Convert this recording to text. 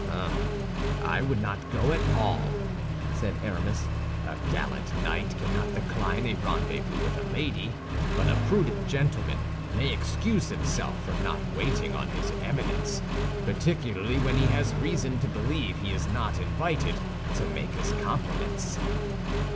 "Hum! I would not go at all," said Aramis. "A gallant knight cannot decline a rendezvous with a lady; but a prudent gentleman may excuse himself from not waiting on his Eminence, particularly when he has reason to believe he is not invited to make his compliments."